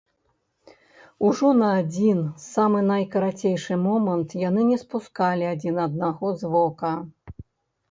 Ужо на адзін самы найкарацейшы момант яны не спускалі адзін аднаго з вока.